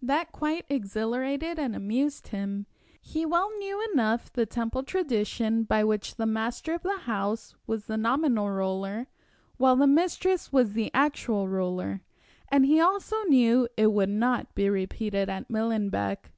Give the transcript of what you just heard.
That quite exhilarated and amused him. He knew well enough the Temple tradition, by which the master of the house was the nominal ruler, while the mistress was the actual ruler, and he also knew it would not be repeated at Millenbeck.